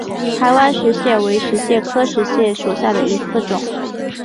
台湾石蟹为石蟹科石蟹属下的一个种。